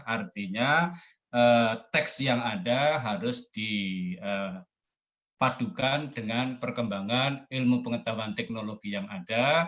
artinya teks yang ada harus dipadukan dengan perkembangan ilmu pengetahuan teknologi yang ada